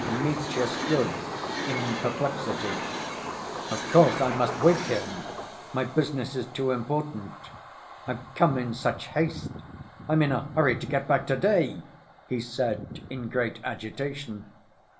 Mitya stood in perplexity. "Of course I must wake him. My business is too important. I've come in such haste. I'm in a hurry to get back to‐day," he said in great agitation.